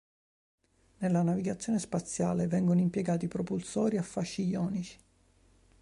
Nella navigazione spaziale vengono impiegati propulsori a fasci ionici.